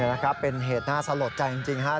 นะครับเป็นเหตุน่าสลดใจจริงครับ